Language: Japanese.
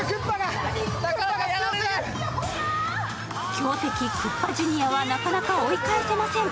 強敵・クッパジュニアはなかなか追い返せません。